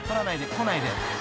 来ないで］